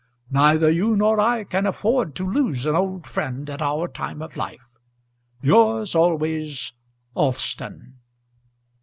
Neither you nor I can afford to lose an old friend at our time of life. Yours always, Alston."